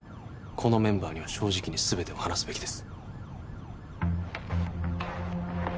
このメンバーには正直に全てを話すべきです